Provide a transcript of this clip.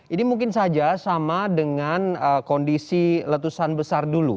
ini mungkin saja sama dengan kondisi letusan besar dulu